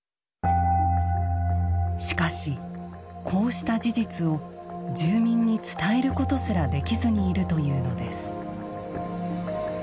しかしこうした事実を住民に伝えることすらできずにいるというのです。